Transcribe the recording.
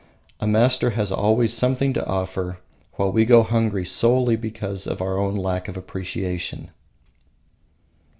A master has always something to offer, while we go hungry solely because of our own lack of appreciation.